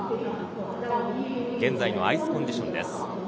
現在のアイスコンディションです。